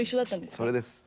それです！